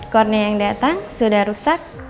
kornea yang datang sudah rusak